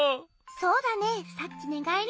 そうだねえ。